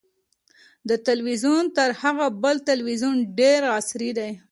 دا تلویزیون تر هغه بل تلویزیون ډېر عصري دی.